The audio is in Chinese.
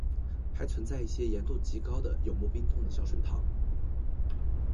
还存在一些盐度极高的永不冰冻的小水塘。